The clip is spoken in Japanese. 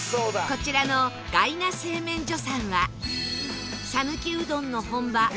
こちらのがいな製麺所さんは讃岐うどんの本場